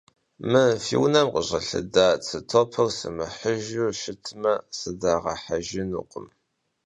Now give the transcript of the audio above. Mı fi vunem khış'elheda tsı topır sımıhıjju şıtme, sıdağehejjınukhım.